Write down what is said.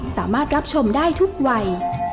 สามารถรับชมได้ทุกวัย